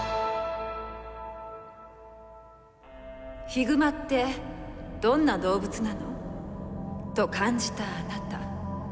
ヒグマってどんな動物なの？と感じたあなた。